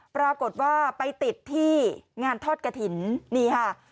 ปรากฏว่าไปติดที่งานทอดกระถิ่นนี่ค่ะ